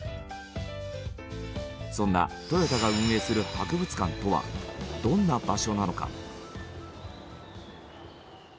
そんなトヨタが運営する博物館とはどんな場所なのか？